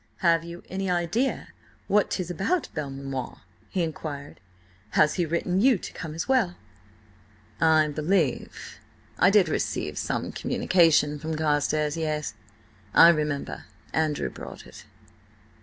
"Have you an idea what 'tis about, Belmanoir?" he inquired. "Has he written you to come as well?" "I believe I did receive some communication from Carstares; yes— I remember, Andrew brought it."